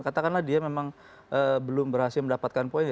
katakanlah dia memang belum berhasil mendapatkan poin